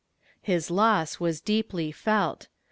His loss was deeply felt.